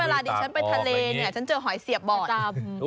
ดิฉันก็คิดว่าเวลาดิฉันไปทะเลเนี่ยฉันเจอหอยเสียบบอด